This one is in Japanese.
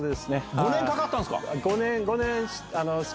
５年かかったんすか？